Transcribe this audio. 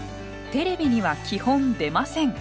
「テレビには基本出ません」。